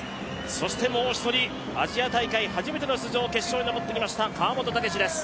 そしてもう１人、アジア大会初めての出場、決勝に残りました、川本武史です。